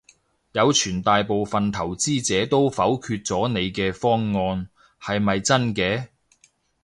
有傳大部份投資者都否決咗你嘅方案，係咪真嘅？